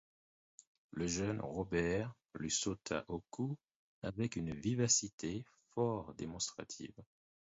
Le jeune Robert lui sauta au cou avec une vivacité fort démonstrative.